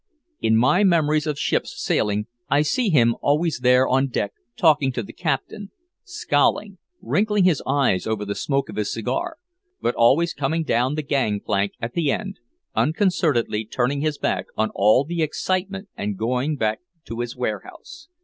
In my memories of ships sailing I see him always there on deck talking to the captain, scowling, wrinkling his eyes over the smoke of his cigar, but always coming down the gang plank at the end, unconcernedly turning his back on all the excitement and going back to his warehouse.